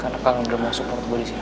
karena kalianian udah support gue di sini